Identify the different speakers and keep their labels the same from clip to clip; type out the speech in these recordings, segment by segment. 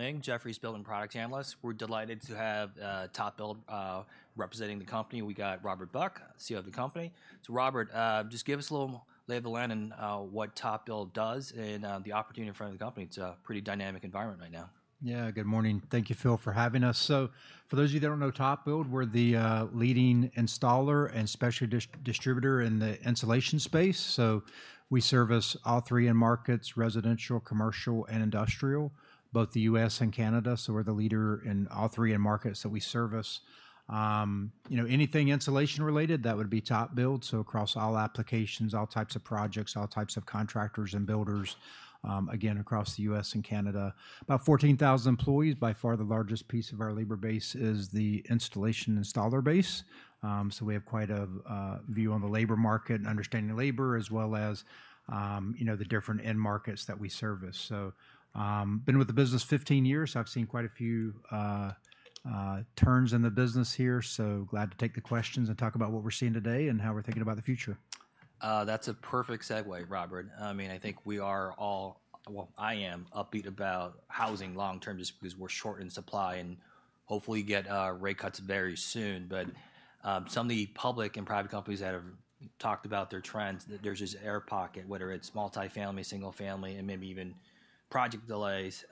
Speaker 1: Phil Ng, Jefferies building product analyst. We're delighted to have TopBuild representing the company. We got Robert Buck, CEO of the company. So Robert, just give us a little lay of the land and what TopBuild does and the opportunity in front of the company. It's a pretty dynamic environment right now.
Speaker 2: Yeah, good morning. Thank you, Phil, for having us. So for those of you that don't know TopBuild, we're the leading installer and specialty distributor in the insulation space. So we service all three end markets, residential, commercial, and industrial, both the U.S. and Canada. So we're the leader in all three end markets that we service. You know, anything insulation related, that would be TopBuild, so across all applications, all types of projects, all types of contractors and builders, again, across the U.S. and Canada. About 14,000 employees, by far the largest piece of our labor base is the installer base. So we have quite a view on the labor market and understanding the labor as well as, you know, the different end markets that we service. So, been with the business 15 years. I've seen quite a few turns in the business here, so glad to take the questions and talk about what we're seeing today and how we're thinking about the future.
Speaker 1: That's a perfect segue, Robert. I mean, I think we are all... well, I am upbeat about housing long term, just because we're short in supply, and hopefully get rate cuts very soon. But, some of the public and private companies that have talked about their trends, there's this air pocket, whether it's multifamily, single-family, and maybe even project delays.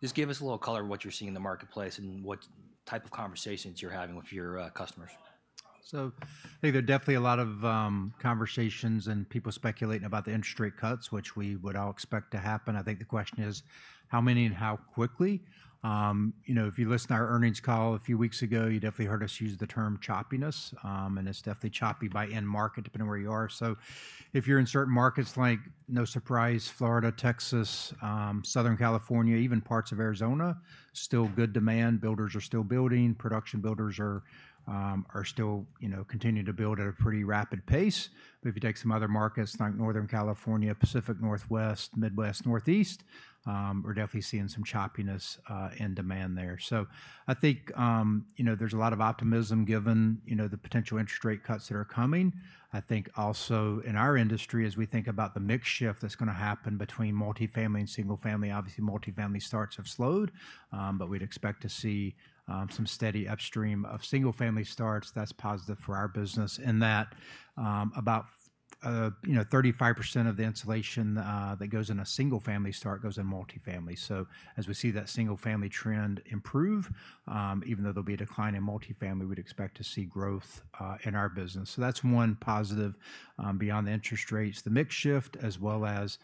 Speaker 1: Just give us a little color on what you're seeing in the marketplace and what type of conversations you're having with your customers.
Speaker 2: So I think there are definitely a lot of, conversations and people speculating about the interest rate cuts, which we would all expect to happen. I think the question is, how many and how quickly? You know, if you listened to our earnings call a few weeks ago, you definitely heard us use the term choppiness, and it's definitely choppy by end market, depending on where you are. So if you're in certain markets, like, no surprise, Florida, Texas, Southern California, even parts of Arizona, still good demand. Builders are still building. Production builders are still, you know, continuing to build at a pretty rapid pace. But if you take some other markets, like Northern California, Pacific Northwest, Midwest, Northeast, we're definitely seeing some choppiness, in demand there. So I think, you know, there's a lot of optimism, given, you know, the potential interest rate cuts that are coming. I think also in our industry, as we think about the mix shift that's gonna happen between multifamily and single-family, obviously, multifamily starts have slowed, but we'd expect to see some steady upswing of single-family starts. That's positive for our business in that, about, you know, 35% of the insulation that goes in a single-family start goes in multifamily. So as we see that single-family trend improve, even though there'll be a decline in multifamily, we'd expect to see growth in our business. So that's one positive, beyond the interest rates, the mix shift, as well as,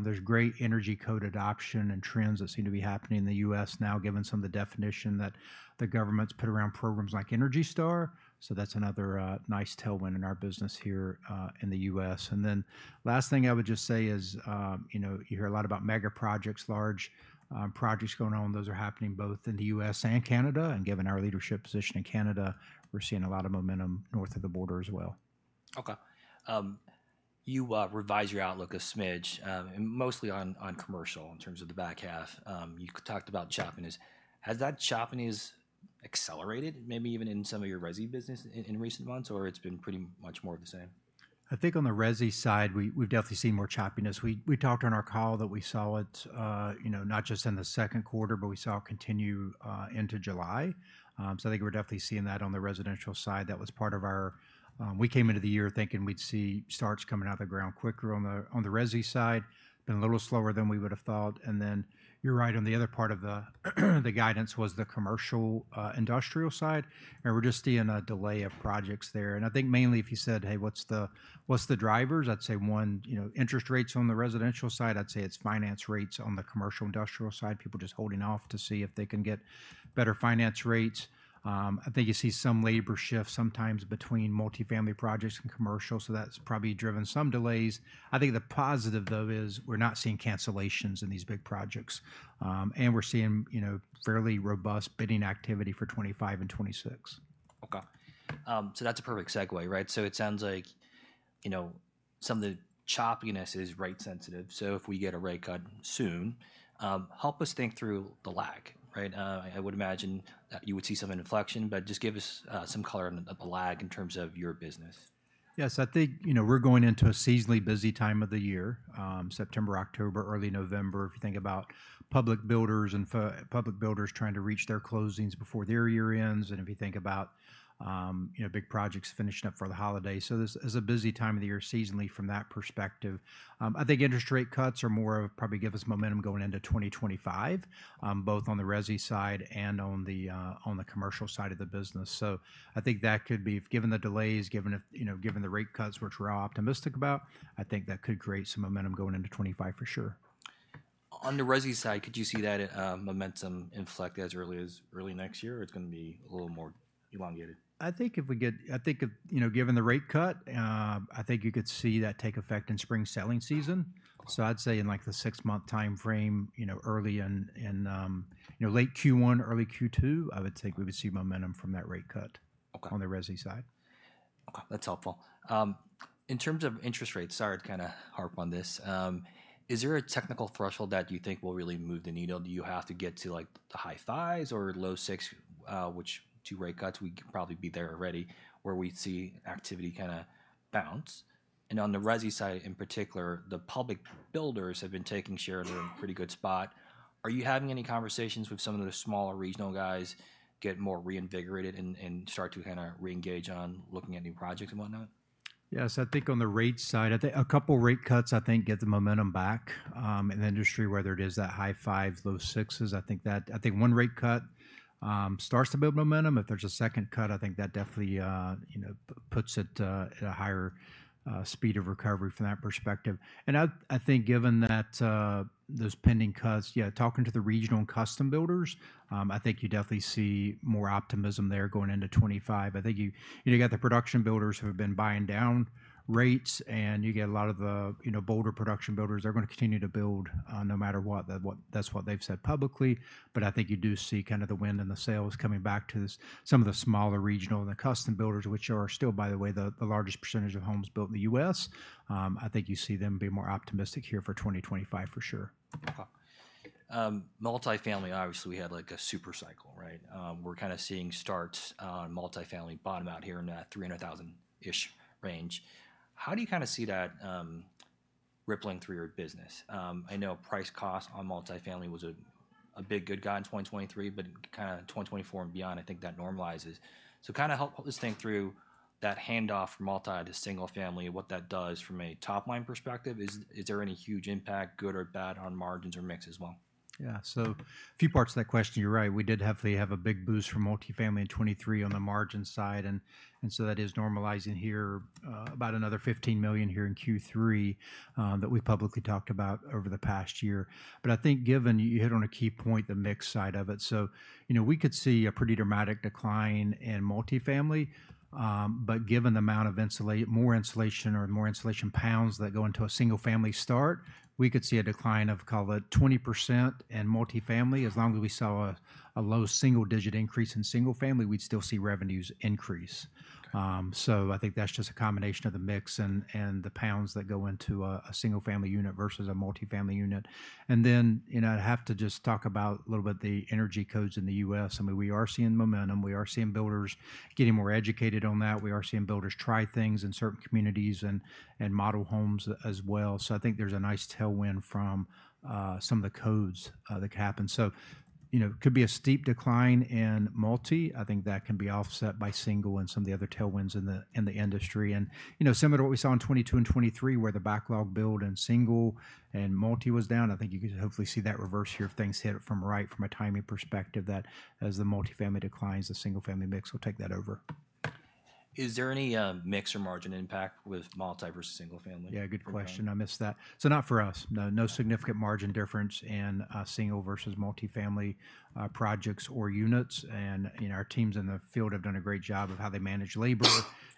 Speaker 2: there's great energy code adoption and trends that seem to be happening in the U.S. now, given some of the definition that the government's put around programs like ENERGY STAR. So that's another, nice tailwind in our business here, in the U.S. And then last thing I would just say is, you know, you hear a lot about mega projects, large, projects going on. Those are happening both in the U.S. and Canada, and given our leadership position in Canada, we're seeing a lot of momentum north of the border as well.
Speaker 1: Okay. You revised your outlook a smidge, mostly on commercial in terms of the back half. You talked about choppiness. Has that choppiness accelerated, maybe even in some of your resi business in recent months, or it's been pretty much more of the same?
Speaker 2: I think on the resi side, we've definitely seen more choppiness. We talked on our call that we saw it, you know, not just in the second quarter, but we saw it continue into July. So I think we're definitely seeing that on the residential side. That was part of our. We came into the year thinking we'd see starts coming out of the ground quicker on the resi side, been a little slower than we would have thought. Then you're right on the other part of the guidance was the commercial industrial side, and we're just seeing a delay of projects there. I think mainly if you said, "Hey, what's the drivers?" I'd say one, you know, interest rates on the residential side. I'd say it's finance rates on the commercial industrial side, people just holding off to see if they can get better finance rates. I think you see some labor shift sometimes between multifamily projects and commercial, so that's probably driven some delays. I think the positive, though, is we're not seeing cancellations in these big projects, and we're seeing, you know, fairly robust bidding activity for 2025 and 2026.
Speaker 1: Okay. So that's a perfect segue, right? So it sounds like, you know, some of the choppiness is rate sensitive, so if we get a rate cut soon, help us think through the lag, right? I would imagine that you would see some inflection, but just give us some color on the lag in terms of your business.
Speaker 2: Yes, I think, you know, we're going into a seasonally busy time of the year, September, October, early November. If you think about public builders trying to reach their closings before their year ends, and if you think about, you know, big projects finishing up for the holidays, so this is a busy time of the year seasonally from that perspective. I think interest rate cuts are more of probably give us momentum going into 2025, both on the resi side and on the commercial side of the business, so I think that could be, given the delays, given, you know, given the rate cuts, which we're optimistic about. I think that could create some momentum going into 2025 for sure.
Speaker 1: On the resi side, could you see that momentum inflect as early as early next year, or it's gonna be a little more elongated?
Speaker 2: I think, you know, given the rate cut, I think you could see that take effect in spring selling season. So I'd say in, like, the six-month timeframe, you know, early in late Q1, early Q2, I would think we would see momentum from that rate cut.
Speaker 1: Okay...
Speaker 2: on the resi side.
Speaker 1: Okay, that's helpful. In terms of interest rates, sorry to kind of harp on this, is there a technical threshold that you think will really move the needle? Do you have to get to, like, the high fives or low six, with two rate cuts, we could probably be there already, where we'd see activity kind of bounce. And on the resi side in particular, the public builders have been taking share and are in a pretty good spot. Are you having any conversations with some of the smaller regional guys getting more reinvigorated and start to kind of re-engage on looking at new projects and whatnot?
Speaker 2: Yes, I think on the rate side, I think a couple rate cuts, I think, get the momentum back in the industry, whether it is that high fives, low sixes. I think one rate cut starts to build momentum. If there's a second cut, I think that definitely, you know, puts it at a higher speed of recovery from that perspective. And I think given that those pending cuts, yeah, talking to the regional and custom builders, I think you definitely see more optimism there going into 2025. I think you, you know, you got the production builders who have been buying down rates, and you get a lot of the, you know, bolder production builders, they're going to continue to build no matter what. That's what they've said publicly, but I think you do see kind of the wind in the sails coming back to this, some of the smaller regional and the custom builders, which are still, by the way, the largest percentage of homes built in the U.S. I think you see them being more optimistic here for 2025, for sure.
Speaker 1: Multifamily, obviously, we had, like, a super cycle, right? We're kind of seeing starts on multifamily bottom out here in that 300,000-ish range. How do you kind of see that rippling through your business? I know price cost on multifamily was a big good guy in 2023, but kind of 2024 and beyond, I think that normalizes. So kind of help us think through that handoff from multi to single family and what that does from a top-line perspective. Is there any huge impact, good or bad, on margins or mix as well?
Speaker 2: Yeah, so a few parts to that question. You're right, we did definitely have a big boost from multifamily in 2023 on the margin side, and so that is normalizing here, about another $15 million here in Q3, that we've publicly talked about over the past year. But I think given you hit on a key point, the mix side of it, so, you know, we could see a pretty dramatic decline in multifamily, but given the amount of insulation, more insulation pounds that go into a single-family start, we could see a decline of call it 20% in multifamily. As long as we saw a low single-digit increase in single-family, we'd still see revenues increase.
Speaker 1: Okay.
Speaker 2: So I think that's just a combination of the mix and the pounds that go into a single-family unit versus a multifamily unit. And then, you know, I'd have to just talk about a little bit the energy codes in the U.S. I mean, we are seeing momentum. We are seeing builders getting more educated on that. We are seeing builders try things in certain communities and model homes as well. So I think there's a nice tailwind from some of the codes that happened. So, you know, could be a steep decline in multi. I think that can be offset by single and some of the other tailwinds in the industry. You know, similar to what we saw in 2022 and 2023, where the backlog build in single and multi was down, I think you could hopefully see that reverse here if things hit it right from a timing perspective, that as the multifamily declines, the single-family mix will take that over.
Speaker 1: Is there any mix or margin impact with multi versus single family?
Speaker 2: Yeah, good question. I missed that, so not for us, no. No significant margin difference in single versus multifamily projects or units, and you know, our teams in the field have done a great job of how they manage labor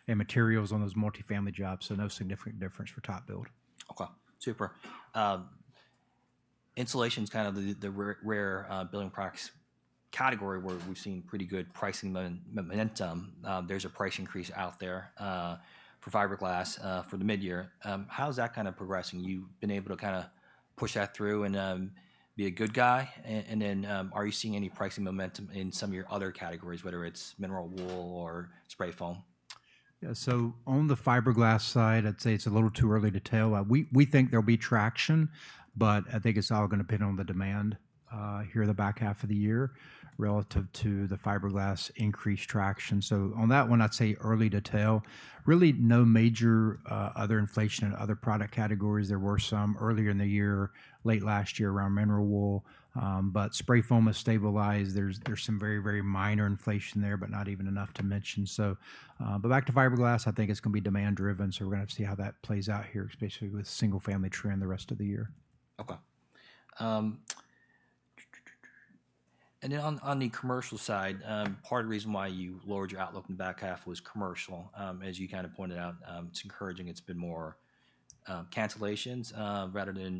Speaker 2: and materials on those multifamily jobs, so no significant difference for TopBuild.
Speaker 1: Okay, super. Insulation's kind of the, the rare, building products category where we've seen pretty good pricing momentum. There's a price increase out there, for fiberglass, for the midyear. How is that kind of progressing? You've been able to kind of push that through and, be a good guy? And, then, are you seeing any pricing momentum in some of your other categories, whether it's mineral wool or spray foam?
Speaker 2: Yeah, so on the fiberglass side, I'd say it's a little too early to tell. We think there'll be traction, but I think it's all going to depend on the demand here in the back half of the year relative to the fiberglass increased traction. So on that one, I'd say early to tell. Really no major other inflation in other product categories. There were some earlier in the year, late last year, around mineral wool, but spray foam has stabilized. There's some very, very minor inflation there, but not even enough to mention. So, but back to fiberglass, I think it's going to be demand driven, so we're going to have to see how that plays out here, basically with single-family trend the rest of the year.
Speaker 1: Okay. And then on the commercial side, part of the reason why you lowered your outlook in the back half was commercial. As you kind of pointed out, it's encouraging, it's been more project delays than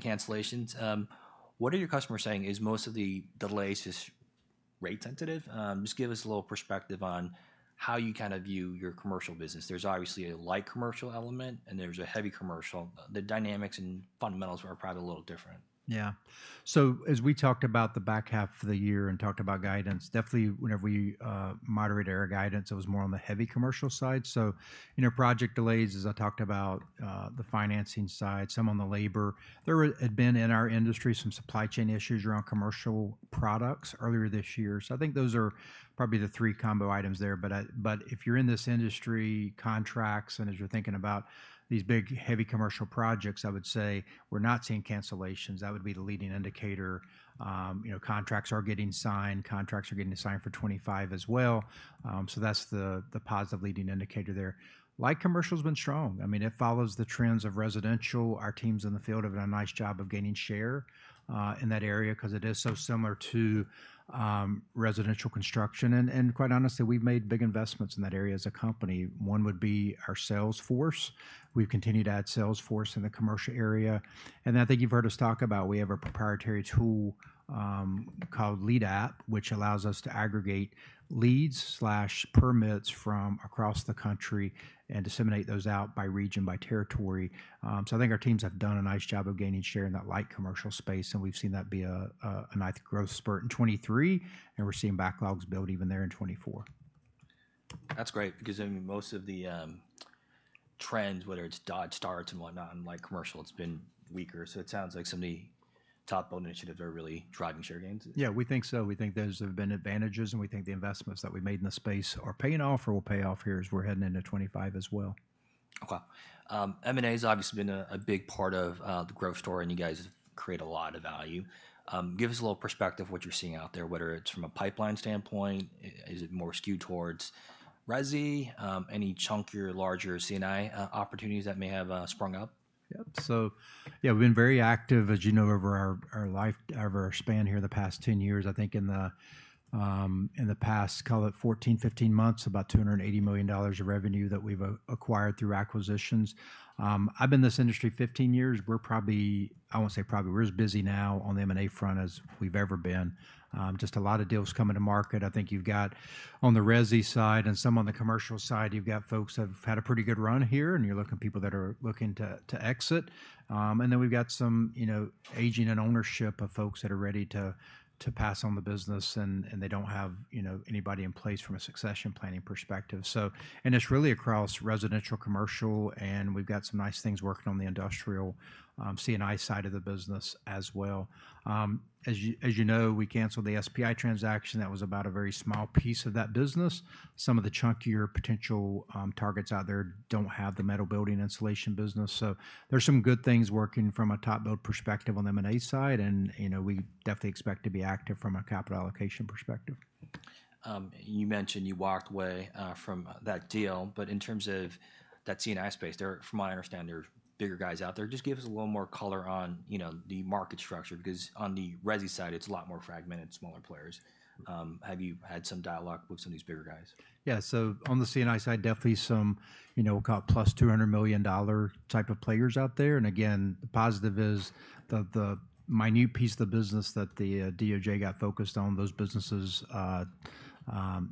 Speaker 1: cancellations. What are your customers saying? Is most of the delays just rate sensitive? Just give us a little perspective on how you kind of view your commercial business. There's obviously a light commercial element, and there's a heavy commercial. The dynamics and fundamentals are probably a little different.
Speaker 2: Yeah. So as we talked about the back half of the year and talked about guidance, definitely whenever we moderate our guidance, it was more on the heavy commercial side. So you know, project delays, as I talked about, the financing side, some on the labor. There had been, in our industry, some supply chain issues around commercial products earlier this year. So I think those are probably the three combo items there. But if you're in this industry, contracts, and as you're thinking about these big, heavy commercial projects, I would say we're not seeing cancellations. That would be the leading indicator. You know, contracts are getting signed. Contracts are getting signed for 2025 as well. So that's the positive leading indicator there. Light commercial's been strong. I mean, it follows the trends of residential. Our teams in the field have done a nice job of gaining share in that area because it is so similar to residential construction, and quite honestly, we've made big investments in that area as a company. One would be our sales force. We've continued to add sales force in the commercial area, and I think you've heard us talk about we have a proprietary tool called LeadApp, which allows us to aggregate leads/permits from across the country and disseminate those out by region, by territory. So I think our teams have done a nice job of gaining share in that light commercial space, and we've seen that be a nice growth spurt in 2023, and we're seeing backlogs build even there in 2024.
Speaker 1: That's great, because, I mean, most of the trends, whether it's Dodge starts and whatnot, and like commercial, it's been weaker. So it sounds like some of the TopBuild-owned initiatives are really driving share gains?
Speaker 2: Yeah, we think so. We think those have been advantages, and we think the investments that we made in the space are paying off or will pay off here as we're heading into 2025 as well.
Speaker 1: Okay. M&A's obviously been a big part of the growth story, and you guys create a lot of value. Give us a little perspective what you're seeing out there, whether it's from a pipeline standpoint. Is it more skewed towards resi, any chunkier, larger C&I opportunities that may have sprung up?
Speaker 2: Yep. So yeah, we've been very active, as you know, over our life, over our span here the past ten years. I think in the past, call it 14, 15 months, about $280 million of revenue that we've acquired through acquisitions. I've been in this industry 15 years. We're probably, I won't say probably, we're as busy now on the M&A front as we've ever been. Just a lot of deals coming to market. I think you've got, on the resi side and some on the commercial side, you've got folks that have had a pretty good run here, and you're looking at people that are looking to exit. And then we've got some, you know, aging and ownership of folks that are ready to pass on the business, and they don't have, you know, anybody in place from a succession planning perspective. So. It's really across residential, commercial, and we've got some nice things working on the industrial, C&I side of the business as well. As you know, we canceled the SPI transaction, that was about a very small piece of that business. Some of the chunkier potential targets out there don't have the metal building insulation business. So there's some good things working from a TopBuild perspective on the M&A side, and, you know, we definitely expect to be active from a capital allocation perspective.
Speaker 1: You mentioned you walked away from that deal, but in terms of that C&I space, there are, from what I understand, there are bigger guys out there. Just give us a little more color on, you know, the market structure, because on the resi side, it's a lot more fragmented, smaller players. Have you had some dialogue with some of these bigger guys?
Speaker 2: Yeah, so on the C&I side, definitely some, you know, we call it plus $200 million type of players out there. And again, the positive is the minute piece of the business that the DOJ got focused on, those businesses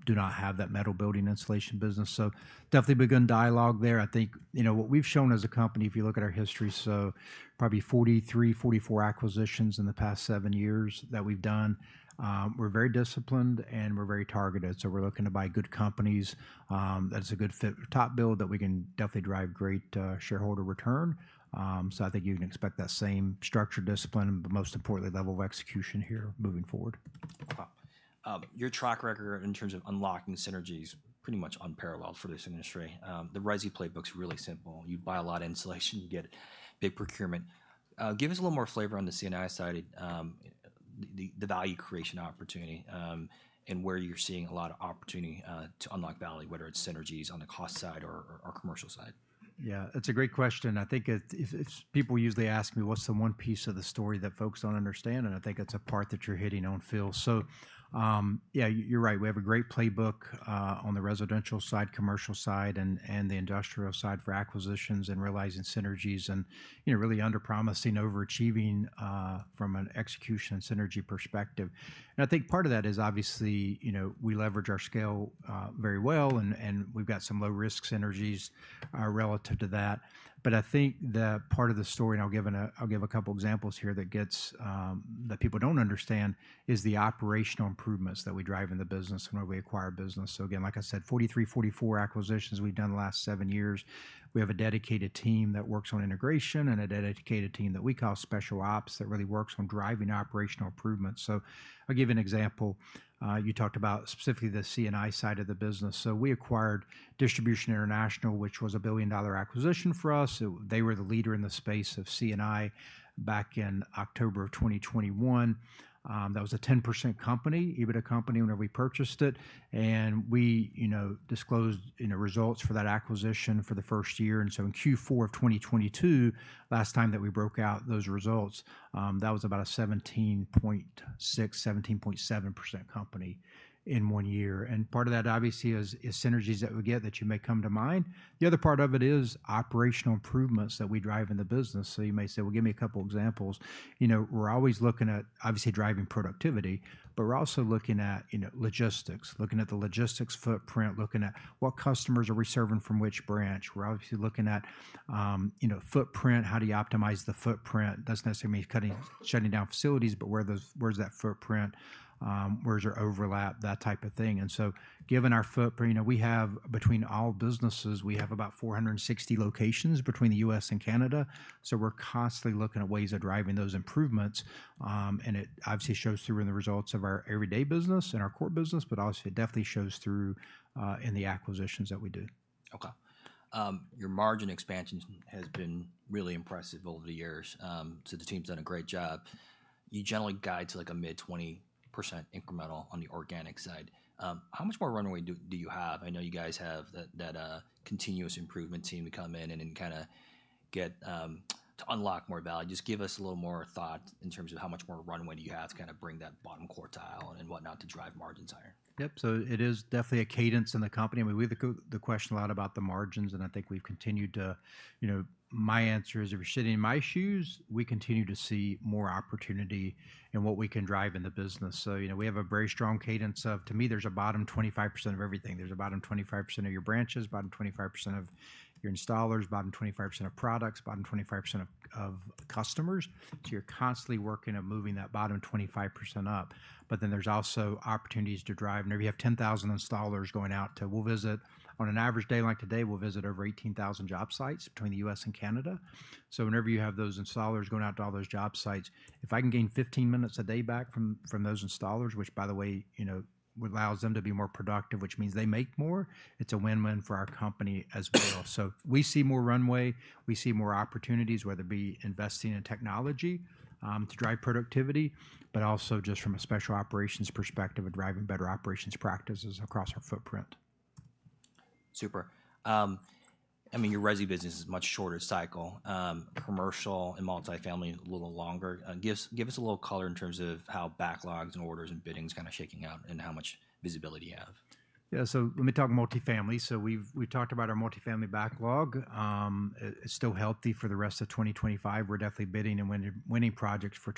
Speaker 2: do not have that metal building installation business. So definitely begun dialogue there. I think, you know, what we've shown as a company, if you look at our history, so probably 43, 44 acquisitions in the past seven years that we've done, we're very disciplined and we're very targeted. So we're looking to buy good companies, that's a good fit, TopBuild that we can definitely drive great shareholder return. So I think you can expect that same structure, discipline, but most importantly, level of execution here moving forward.
Speaker 1: Wow. Your track record in terms of unlocking synergies, pretty much unparalleled for this industry. The resi playbook's really simple. You buy a lot of insulation, you get big procurement. Give us a little more flavor on the C&I side, the value creation opportunity, and where you're seeing a lot of opportunity to unlock value, whether it's synergies on the cost side or commercial side.
Speaker 2: Yeah, it's a great question. I think if people usually ask me, "What's the one piece of the story that folks don't understand?" I think it's a part that you're hitting on, Phil. Yeah, you're right. We have a great playbook on the residential side, commercial side, and the industrial side for acquisitions and realizing synergies and, you know, really under-promising, overachieving from an execution and synergy perspective. I think part of that is obviously, you know, we leverage our scale very well, and we've got some low-risk synergies relative to that. I think the part of the story, and I'll give a couple examples here that people don't understand, is the operational improvements that we drive in the business when we acquire business. So again, like I said, 43-44 acquisitions we've done in the last seven years. We have a dedicated team that works on integration and a dedicated team that we call Special Ops, that really works on driving operational improvements. So I'll give you an example. You talked about specifically the C&I side of the business. So we acquired Distribution International, which was a $1 billion acquisition for us. So they were the leader in the space of C&I back in October of 2021. That was a 10% company, EBITDA company, whenever we purchased it, and we, you know, disclosed, you know, results for that acquisition for the first year. And so in Q4 of 2022, last time that we broke out those results, that was about a 17.6%-17.7% company in one year. Part of that obviously is synergies that we get that you may come to mind. The other part of it is operational improvements that we drive in the business. So you may say, "Well, give me a couple examples." You know, we're always looking at obviously driving productivity, but we're also looking at, you know, logistics, looking at the logistics footprint, looking at what customers are we serving from which branch. We're obviously looking at, you know, footprint, how do you optimize the footprint? It doesn't necessarily mean shutting down facilities, but where those, where's that footprint? Where's your overlap? That type of thing. And so given our footprint, you know, we have between all businesses, we have about 460 locations between the U.S. and Canada. We're constantly looking at ways of driving those improvements, and it obviously shows through in the results of our everyday business and our core business, but obviously, it definitely shows through in the acquisitions that we do.
Speaker 1: Okay. Your margin expansion has been really impressive over the years. So the team's done a great job. You generally guide to, like, a mid-20% incremental on the organic side. How much more runway do you have? I know you guys have that continuous improvement team to come in and then kind of get to unlock more value. Just give us a little more thought in terms of how much more runway do you have to kind of bring that bottom quartile and whatnot to drive margins higher?
Speaker 2: Yep, so it is definitely a cadence in the company. I mean, we, we get the question a lot about the margins, and I think we've continued to, you know, my answer is, if you're sitting in my shoes, we continue to see more opportunity in what we can drive in the business. So you know, we have a very strong cadence of, to me, there's a bottom 25% of everything. There's a bottom 25% of your branches, a bottom 25% of your installers, a bottom 25% of products, a bottom 25% of, of customers, so you're constantly working on moving that bottom 25% up. But then there's also opportunities to drive. Whenever you have 10,000 installers going out to, we'll visit. On an average day like today, we'll visit over 18,000 job sites between the U.S. and Canada. So whenever you have those installers going out to all those job sites, if I can gain 15 minutes a day back from those installers, which by the way, you know, allows them to be more productive, which means they make more, it's a win-win for our company as well. So we see more runway, we see more opportunities, whether it be investing in technology to drive productivity, but also just from a specialty operations perspective and driving better operations practices across our footprint.
Speaker 1: Super. I mean, your resi business is much shorter cycle. Commercial and multifamily, a little longer. Give us a little color in terms of how backlogs and orders and biddings kind of shaking out, and how much visibility you have.
Speaker 2: Yeah, so let me talk multifamily. We've talked about our multifamily backlog. It's still healthy for the rest of 2025. We're definitely bidding and winning projects for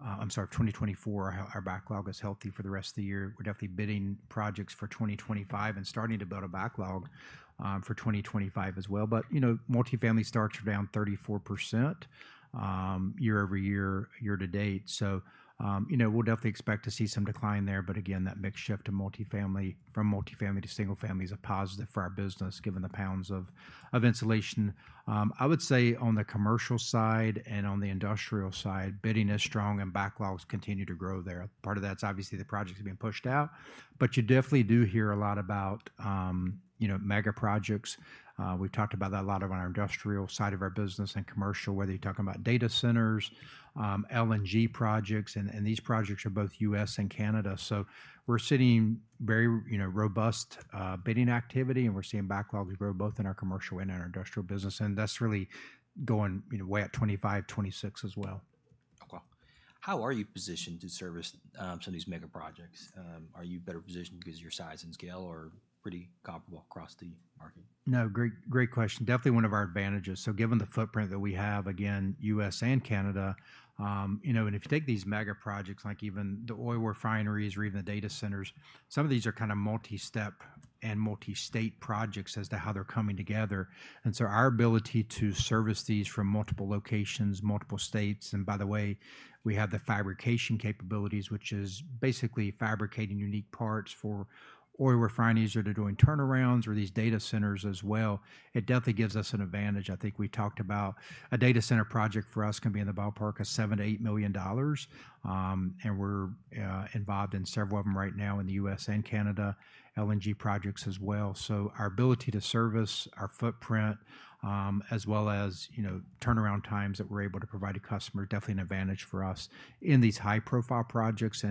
Speaker 2: 2024. Our backlog is healthy for the rest of the year. We're definitely bidding projects for 2025 and starting to build a backlog for 2025 as well. But you know, multifamily starts are down 34% year over year, year to date. You know, we'll definitely expect to see some decline there, but again, that mix shift from multifamily to single-family is a positive for our business, given the pounds of insulation. I would say on the commercial side and on the industrial side, bidding is strong, and backlogs continue to grow there. Part of that's obviously the projects are being pushed out, but you definitely do hear a lot about, you know, mega projects. We've talked about that a lot on our industrial side of our business and commercial, whether you're talking about data centers, LNG projects, and these projects are both U.S. and Canada. So we're sitting very, you know, robust, bidding activity, and we're seeing backlogs grow both in our commercial and in our industrial business, and that's really going, you know, way at 2025, 2026 as well.
Speaker 1: Okay. How are you positioned to service some of these mega projects? Are you better positioned because of your size and scale, or pretty comparable across the market?
Speaker 2: No, great, great question. Definitely one of our advantages. So given the footprint that we have, again, U.S. and Canada, you know, and if you take these mega projects, like even the oil refineries or even the data centers, some of these are kind of multi-step and multi-state projects as to how they're coming together. And so our ability to service these from multiple locations, multiple states, and by the way, we have the fabrication capabilities, which is basically fabricating unique parts for oil refineries that are doing turnarounds or these data centers as well, it definitely gives us an advantage. I think we talked about a data center project for us can be in the ballpark of $7-8 million. And we're involved in several of them right now in the U.S. and Canada, LNG projects as well. So our ability to service, our footprint, as well as, you know, turnaround times that we're able to provide a customer, definitely an advantage for us in these high-profile projects.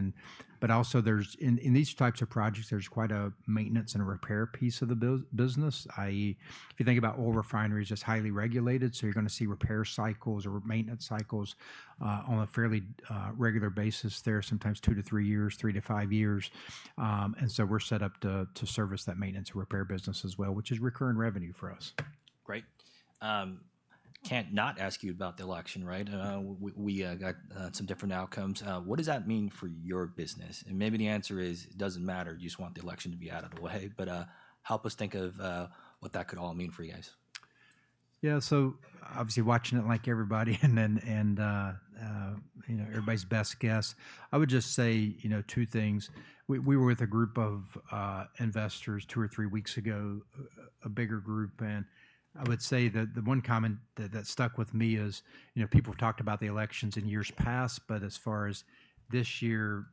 Speaker 2: But also in these types of projects, there's quite a maintenance and repair piece of the business, i.e., if you think about oil refineries, that's highly regulated, so you're going to see repair cycles or maintenance cycles, on a fairly regular basis there, sometimes two to three years, three to five years. And so we're set up to service that maintenance and repair business as well, which is recurring revenue for us.
Speaker 1: Great. Can't not ask you about the election, right? We got some different outcomes. What does that mean for your business? Maybe the answer is, it doesn't matter, you just want the election to be out of the way. But help us think of what that could all mean for you guys.
Speaker 2: Yeah, so obviously watching it like everybody, and then, you know, everybody's best guess. I would just say, you know, two things. We were with a group of investors two or three weeks ago, a bigger group, and I would say that the one comment that stuck with me is, you know, people have talked about the elections in years past, but as far as this year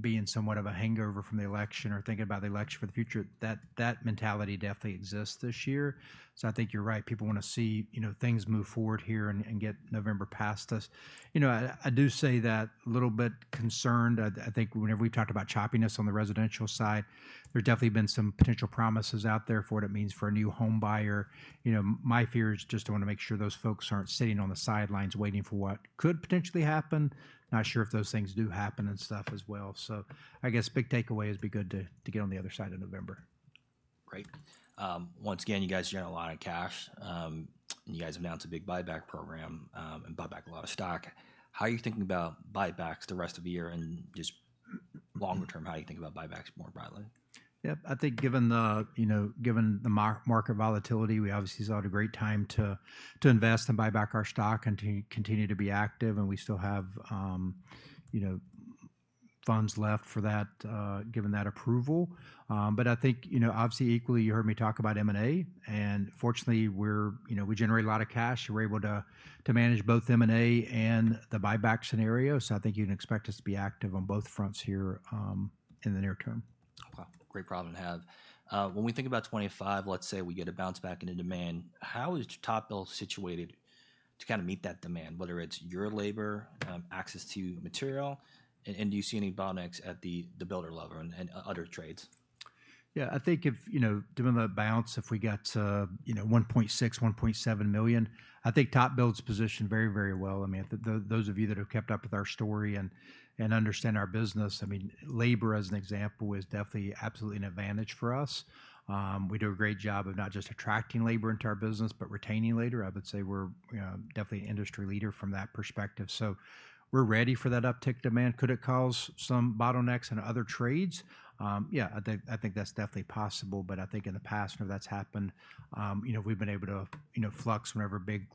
Speaker 2: being somewhat of a hangover from the election or thinking about the election for the future, that mentality definitely exists this year. So I think you're right. People want to see, you know, things move forward here and get November past us. You know, I do say that. A little bit concerned. I think whenever we talked about choppiness on the residential side, there's definitely been some potential promises out there for what it means for a new home buyer. You know, my fear is just I want to make sure those folks aren't sitting on the sidelines waiting for what could potentially happen. Not sure if those things do happen and stuff as well. So I guess big takeaway is be good to get on the other side of November.
Speaker 1: Great. Once again, you guys generate a lot of cash, and you guys announced a big buyback program, and bought back a lot of stock. How are you thinking about buybacks the rest of the year, and just longer term, how are you thinking about buybacks more broadly?
Speaker 2: Yep. I think given the, you know, given the market volatility, we obviously saw it a great time to invest and buy back our stock, and to continue to be active, and we still have, you know, funds left for that, given that approval. But I think, you know, obviously, equally, you heard me talk about M&A, and fortunately, we're, you know, we generate a lot of cash. We're able to manage both M&A and the buyback scenario, so I think you can expect us to be active on both fronts here, in the near term.
Speaker 1: Wow, great problem to have. When we think about 25, let's say we get a bounce back in the demand, how is TopBuild situated to kind of meet that demand, whether it's your labor, access to material, and do you see any bottlenecks at the builder level and other trades?
Speaker 2: Yeah, I think if, you know, given the bounce, if we got to, you know, 1.6, 1.7 million, I think TopBuild's positioned very, very well. I mean, those of you that have kept up with our story and understand our business, I mean, labor, as an example, is definitely absolutely an advantage for us. We do a great job of not just attracting labor into our business, but retaining labor. I would say we're definitely an industry leader from that perspective. So we're ready for that uptick demand. Could it cause some bottlenecks in other trades? Yeah, I think that's definitely possible, but I think in the past, when that's happened, you know, we've been able to, you know, flex whenever big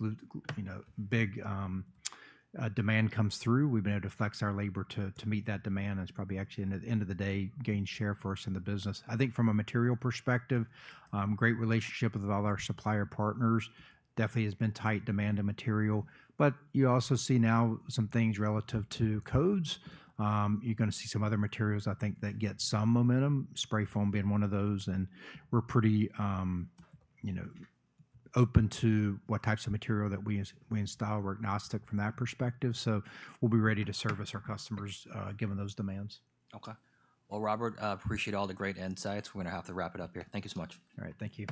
Speaker 2: demand comes through. We've been able to flex our labor to meet that demand, and it's probably actually, in the end of the day, gain share for us in the business. I think from a material perspective, great relationship with all our supplier partners. Definitely has been tight demand in material, but you also see now some things relative to codes. You're going to see some other materials, I think, that get some momentum, spray foam being one of those, and we're pretty, you know, open to what types of material that we install. We're agnostic from that perspective, so we'll be ready to service our customers given those demands.
Speaker 1: Okay. Well, Robert, I appreciate all the great insights. We're going to have to wrap it up here. Thank you so much.
Speaker 2: All right. Thank you.